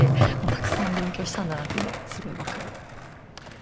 たくさん勉強したんだなっていうのがすぐ分かる。